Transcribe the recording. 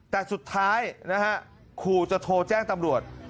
แต่สุดท้ายนะฮะขู่จะโทรแจ้งตำรวจ